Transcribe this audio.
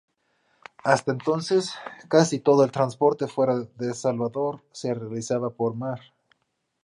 Hasta entonces, casi todo el transporte fuera de Salvador se realizaba por mar.